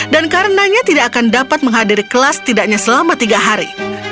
dan karenanya tidak akan dapat menghadiri kelas tidaknya selama tiga hari